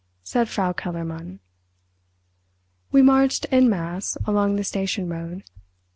said Frau Kellermann. We marched en masse along the station road.